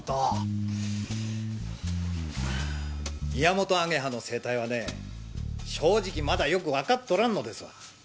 ミヤモトアゲハの生態はね正直まだよくわかっとらんのですわ。